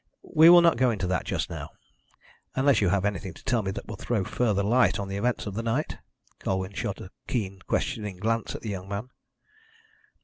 "We will not go into that just now, unless you have anything to tell me that will throw further light on the events of the night." Colwyn shot a keen, questioning glance at the young man.